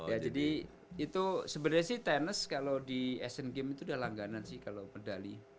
ya jadi itu sebenarnya sih tenis kalau di asian games itu udah langganan sih kalau medali